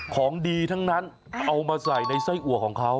ของดีทั้งนั้นเอามาใส่ในไส้อัวของเขา